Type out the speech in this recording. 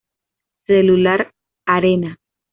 Cellular Arena.